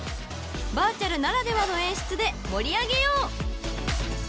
［バーチャルならではの演出で盛り上げよう］